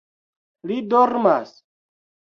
- Li dormas?